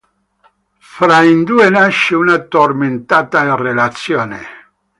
Fra i due nasce una tormentata relazione.